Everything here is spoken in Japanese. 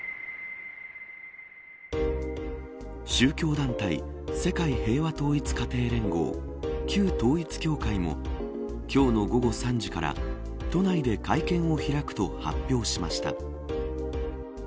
宗教団体、世界平和統一家庭連合旧統一教会も今日の午後３時から都内で会見を開くと発表しました。